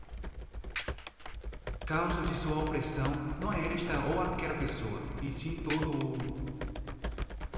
causa de sua opressão não é esta ou aquela pessoa, e sim todo o